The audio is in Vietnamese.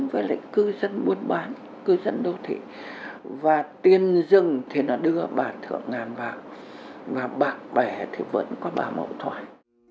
với lại cư dân muôn bán cư dân đô thị và tiền rừng thì nó đưa bà thượng ngàn vào và bạc bẻ thì vẫn có bà mẫu thoại